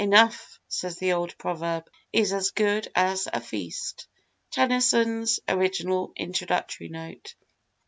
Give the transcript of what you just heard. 'Enough,' says the old proverb, 'is as good as a feast.' (Tennyson's original introductory note.)